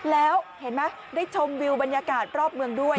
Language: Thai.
แล้วเห็นไหมได้ชมวิวบรรยากาศรอบเมืองด้วย